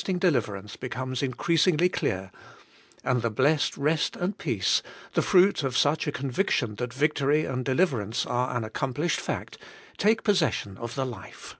231 ing deliverance becomes increasingly clear, and the blessed rest and peace, the fruit of such a conviction that victory and deliverance are an accomplished fact, take possession of the life.